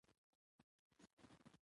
چې هغه د ښځو سره